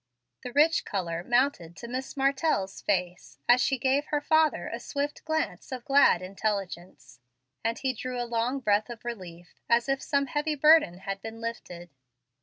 The rich color mounted to Miss Martell's face as she gave her father a swift glance of glad intelligence, and he drew a long breath of relief, as if some heavy burden had been lifted.